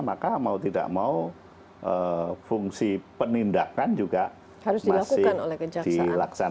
maka mau tidak mau fungsi penindakan juga harus dilakukan oleh kejaksaan